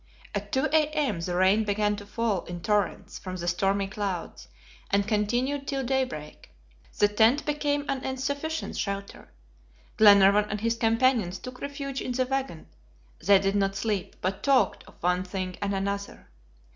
At two A. M. the rain began to fall in torrents from the stormy clouds, and continued till daybreak. The tent became an insufficient shelter. Glenarvan and his companions took refuge in the wagon; they did not sleep, but talked of one thing and another.